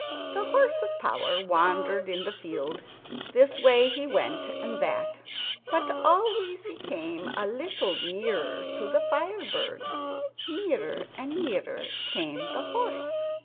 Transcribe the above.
The horse of power wandered in the field. This way he went, and that, but always he came a little nearer to the fire bird. Nearer and nearer came the horse.